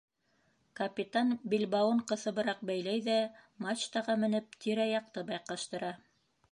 Капитан билбауын ҡыҫыбыраҡ бәйләй ҙә, мачтаға менеп, тирә-яҡты байҡаштыра.